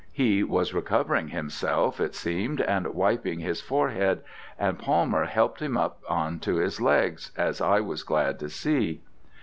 He was recovering himself, it seemed, and wiping his forehead, and Palmer helped him up on to his legs, as I was glad to see.